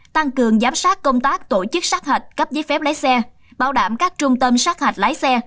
tăng cường giám sát công tác tổ chức sát hạch cấp giấy phép lấy xe bảo đảm các trung tâm sát hạch lái xe